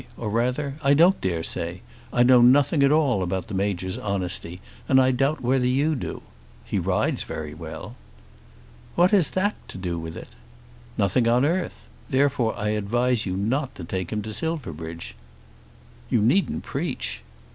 Or rather, I don't dare say. I know nothing about the Major's honesty, and I doubt whether you do. He rides very well." "What has that to do with it?" "Nothing on earth. Therefore I advise you not to take him to Silverbridge." "You needn't preach."